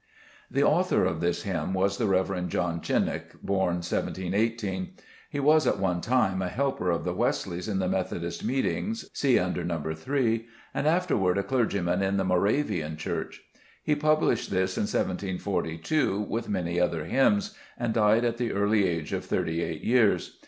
The author of this hymn was the Rev. John Cennick, born 1 718. He was at one time a helper of the Wesleys in the Methodist meetings (see under No. 3), and after ward a clergyman in the Moravian Church. He pub lished this in 1742 with many other hymns, and died at the early age of thirty eight years.